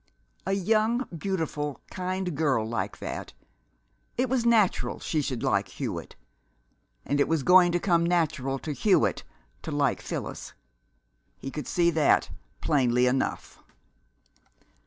A young, beautiful, kind girl like that it was natural she should like Hewitt. And it was going to come natural to Hewitt to like Phyllis. He could see that plainly enough.